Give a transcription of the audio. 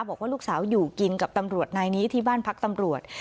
บอกว่าลูกสาวอยู่กินกับตำรวจนายนี้ที่บ้านพักตำรวจ